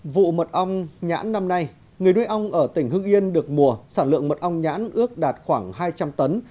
vụ mật ong nhãn năm nay người nuôi ong ở tỉnh hưng yên được mùa sản lượng mật ong nhãn ước đạt khoảng hai trăm linh tấn